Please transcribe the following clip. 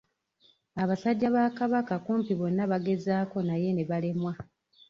Abasajja ba kabaka kumpi bonna bagezaako naye ne balemwa.